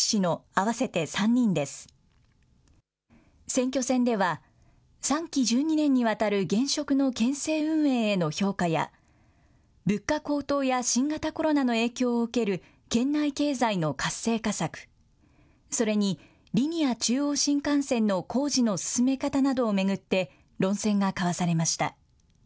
選挙戦では、３期１２年にわたる現職の県政運営への評価や、物価高騰や新型コロナの影響を受ける県内経済の活性化策、それに、リニア中央新幹線の工事の進め方などを巡って、論戦が交わされました。